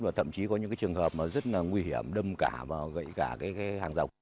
và thậm chí có những trường hợp rất nguy hiểm đâm cả và gãy cả hàng rộng